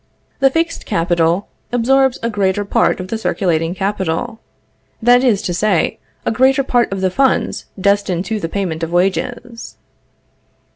The fixed capital absorbs a greater part of the circulating capital; that is to say, a greater part of the funds destined to the payment of wages.